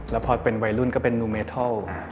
แล้วพอเป็นวัยรุ่นก็เป็นนูเมทัล